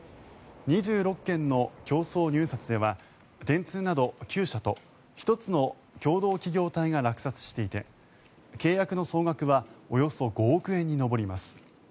２６件の競争入札では電通など９社と１つの共同企業体が落札していて契約の総額はおよそ５億円に上ります。